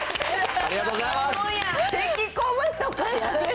ありがとうございます。